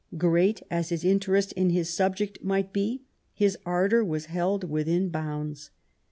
Great as his interest in his subject might be, his ardour was held within bounds.